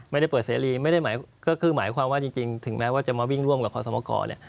ไม่ได้เปิดเสรีไม่ได้หมายก็คือหมายความว่าจริงถึงแม้ว่าจะมาวิ่งร่วมกับคอสมกรเนี่ย